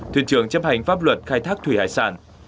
thuyền trưởng chấp hành pháp luật khai thác thủy hải sản